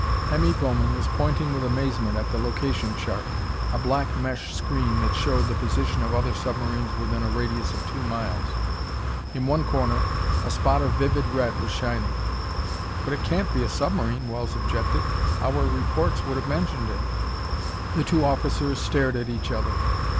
Hemmy Bowman was pointing with amazement at the location chart, a black mesh screen that showed the position of other submarines within a radius of two miles. In one corner, a spot of vivid red was shining. "But it can't be a submarine!" Wells objected. "Our reports would have mentioned it!" The two officers stared at each other.